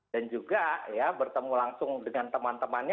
dan juga bertemu langsung dengan teman temannya